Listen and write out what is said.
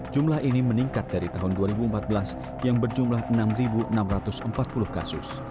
jumlah ini meningkat dari tahun dua ribu empat belas yang berjumlah enam enam ratus empat puluh kasus